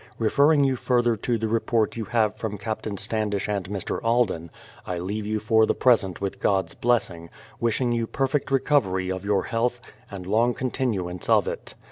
Refer ring you further to the report you have from Captain Standish and Mr. Alden, I leave you for the present with God's blessing, wishing you perfect recovery of your health and long continuance of it.